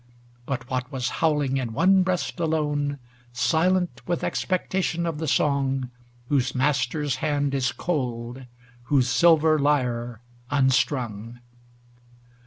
But what was howling in one breast alone. Silent with expectation of the song, W^hose master's hand is cold, whose silver lyre unstrung.